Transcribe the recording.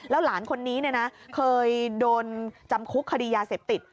หลานคนนี้เคยโดนจำคุกคดียาเสพติด